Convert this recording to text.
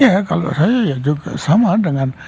ya kalau saya ya juga sama dengan